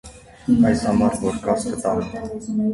Այս ամառ որ գաս, կտանեմ: